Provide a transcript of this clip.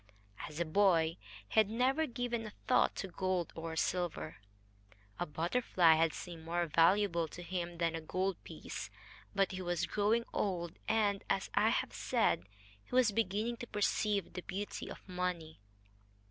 As a boy he had never given a thought to gold or silver. A butterfly had seemed more valuable to him than a gold piece. But he was growing old, and, as I have said, he was beginning to perceive the beauty of money.